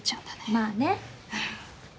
まあね。